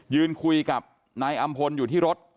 ยืนคุยกับนายอำพลอยู่ที่รถ